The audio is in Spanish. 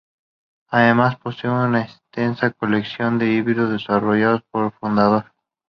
Además posee una extensa colección de híbridos desarrollados por fundador.